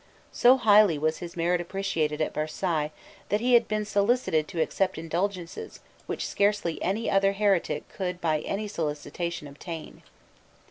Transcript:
So highly was his merit appreciated at Versailles that he had been solicited to accept indulgences which scarcely any other heretic could by any solicitation obtain.